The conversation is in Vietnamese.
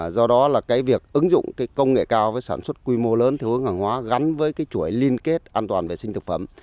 do đó là cái việc ứng dụng cái công nghệ cao với sản xuất quy mô lớn theo hướng hàng hóa gắn với cái chuỗi liên kết an toàn vệ sinh thực phẩm